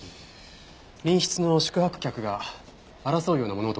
隣室の宿泊客が争うような物音を聞いていました。